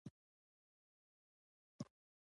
زمانشاه به نفوذ وکړي.